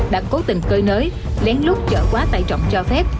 đã cố tình cơi nới lén lút chở quá tài trọng cho phép